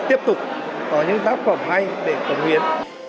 tiếp tục có những tác phẩm hay để phóng viên